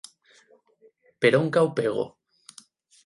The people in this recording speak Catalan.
Per on cau Pego?